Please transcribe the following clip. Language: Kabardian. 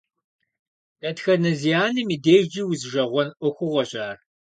Дэтхэнэ зы анэм и дежкӀи узижэгъуэн Ӏуэхугъуэщ ар.